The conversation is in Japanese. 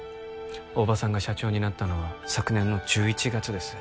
大庭さんが社長になったのは昨年の１１月です